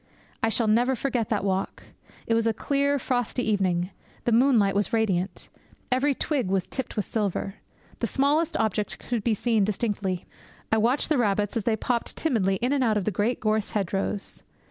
I shall never forget that walk! It was a clear, frosty evening. The moonlight was radiant. Every twig was tipped with silver. The smallest object could be seen distinctly. I watched the rabbits as they popped timidly in and out of the great gorse hedgerows.